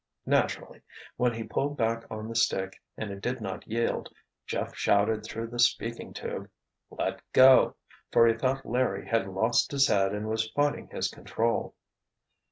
Naturally, when he pulled back on the stick and it did not yield, Jeff shouted through the speaking tube, "Let go!" for he thought Larry had lost his head and was fighting his control.